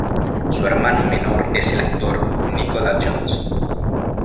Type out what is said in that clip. Su hermano menor es el actor Nicholas Jones.